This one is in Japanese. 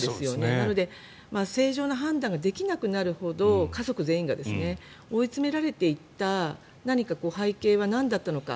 なので正常な判断ができなくなるほど家族全員が追い詰められていった何か背景はなんだったのか。